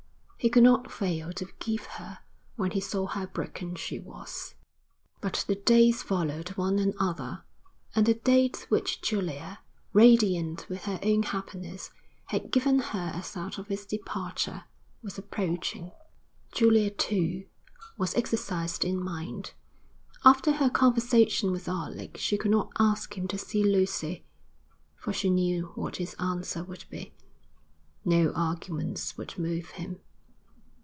He could not fail to forgive her when he saw how broken she was. But the days followed one another, and the date which Julia, radiant with her own happiness, had given her as that of his departure, was approaching. Julia, too, was exercised in mind. After her conversation with Alec she could not ask him to see Lucy, for she knew what his answer would be. No arguments, would move him.